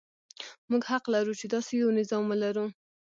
موږ حق لرو چې داسې یو نظام ولرو.